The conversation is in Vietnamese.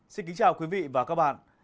xin kính chào quý vị và các bạn